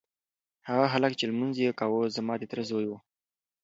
هغه هلک چې لمونځ یې کاوه زما د تره زوی و.